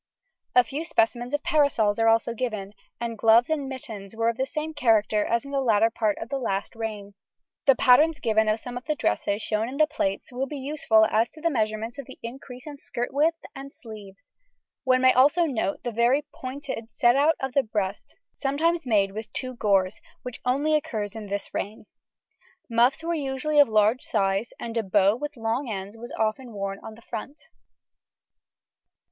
A few specimens of parasols are also given, and gloves and mittens were of the same character as in the latter part of the last reign. The patterns given of some of the dresses shown in the plates will be useful as to the measurements of the increase in skirt width and sleeves; one may also note the very pointed set out of the breast, sometimes made with two gores, which only occurs in this reign. Muffs were usually of a large size, and a bow with long ends was often worn on the front.